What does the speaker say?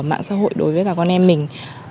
mạng xã hội đối với cả con em mình